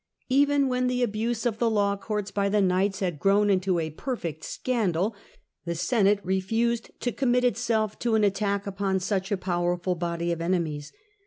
Even when the abuse of the law courts by the knights had grown into a perfect scandal, the Senate refused to commit itself to an attack upon such a powerful body of enemies.